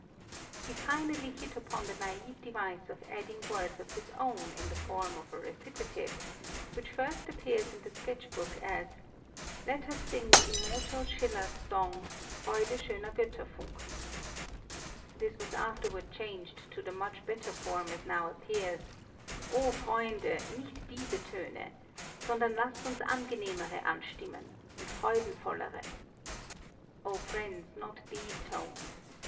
He finally hit upon the naïve device of adding words of his own in the form of a recitative, which first appears in the sketch book as, "Let us sing the immortal Schiller's Song, 'Freude schöner Götterfunken.'" This was afterward changed to the much better form as now appears, "O Freunde, nicht diese Töne! sondern lasst uns angenehmere anstimmen, und freudenvollere." (O friends, not these tones.